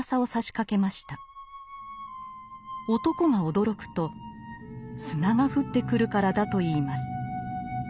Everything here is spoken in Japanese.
男が驚くと砂が降ってくるからだといいます。